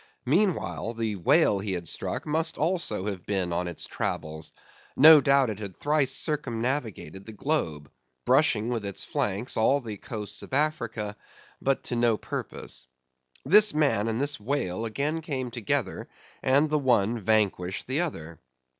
Meanwhile, the whale he had struck must also have been on its travels; no doubt it had thrice circumnavigated the globe, brushing with its flanks all the coasts of Africa; but to no purpose. This man and this whale again came together, and the one vanquished the other.